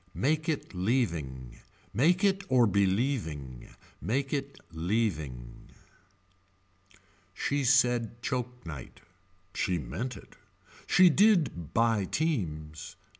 Make it leaving. Make it or believing. Make it leaving. She said choke night. She meant it. She did buy teams.